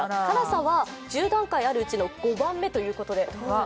辛さは１０段階あるうちの５番目ということで。